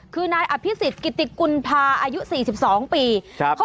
เบิร์ตลมเสียโอ้โห